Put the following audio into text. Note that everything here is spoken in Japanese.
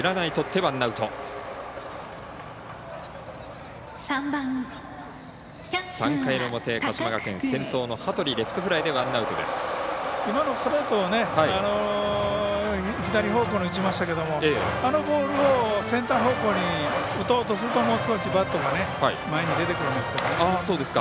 今のストレートを左方向に打ちましたけどもあのボールをセンター方向に打とうとするともう少しバットが前に出てくるんですけどね。